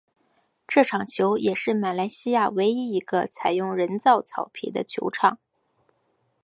这球场也是马来西亚唯一一个采用人造草皮的球场。